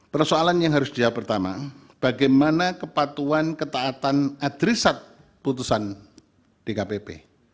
persoalan yang harus dijawab pertama bagaimana kepatuan ketaatan adrisat putusan dkpp